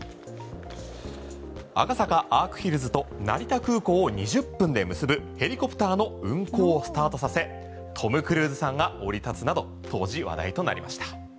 赤坂アークヒルズと成田空港を２０分で結ぶヘリコプターの運航をスタートさせトム・クルーズさんが降り立つなど当時話題となりました。